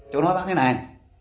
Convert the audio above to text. cháu nói bác thế này